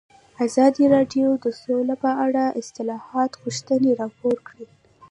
ازادي راډیو د سوله په اړه د اصلاحاتو غوښتنې راپور کړې.